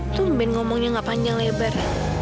itu memben ngomongnya gak panjang lebar